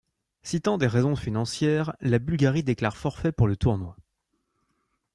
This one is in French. Citant des raisons financières, la Bulgarie déclare forfait pour le tournoi.